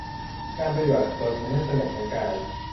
การปฏิบัติตนให้สงบทั้งทางกาย